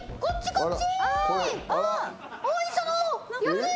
こっち。